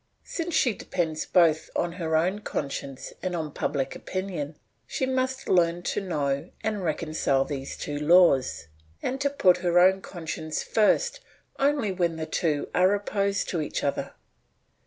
Since she depends both on her own conscience and on public opinion, she must learn to know and reconcile these two laws, and to put her own conscience first only when the two are opposed to each other.